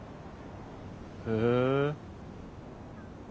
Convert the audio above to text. へえ。